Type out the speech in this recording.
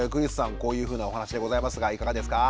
こういうふうなお話でございますがいかがですか？